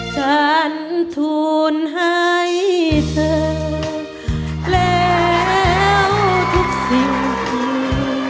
ฉันทูลให้เธอแล้วทุกสิ่ง